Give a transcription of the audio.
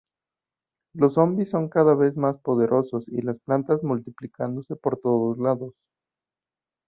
Los zombis son cada vez más poderosos y las plantas multiplicándose por todos lados.